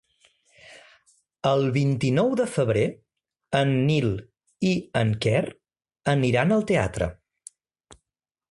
El vint-i-nou de febrer en Nil i en Quer aniran al teatre.